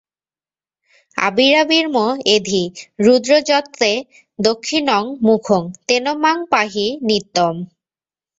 আবিরাবির্ম এধি, রুদ্র যত্তে দক্ষিণং মুখং তেন মাং পাহি নিত্যম্।